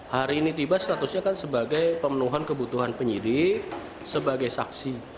hari ini tiba statusnya kan sebagai pemenuhan kebutuhan penyidik sebagai saksi